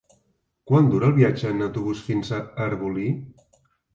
Quant dura el viatge en autobús fins a Arbolí?